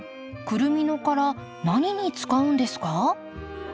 クルミの殻何に使うんですか？